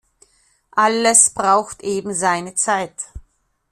Alles braucht eben seine Zeit.